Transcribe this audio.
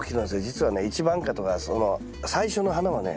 じつはね一番花とかその最初の花はね